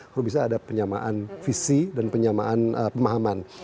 kalau bisa ada penyamaan visi dan penyamaan pemahaman